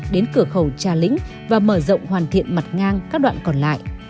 đến cửa khẩu trà lĩnh và mở rộng hoàn thiện mặt ngang các đoạn còn lại